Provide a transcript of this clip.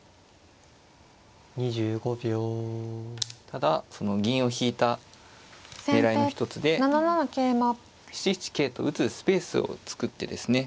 ただその銀を引いた狙いの一つで７七桂と打つスペースを作ってですね